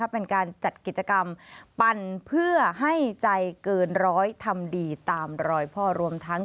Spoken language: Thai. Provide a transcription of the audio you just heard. เป็นการจัดกิจกรรมปั่นเพื่อให้ใจเกินร้อยทำดีตามรอยพ่อรวมทั้ง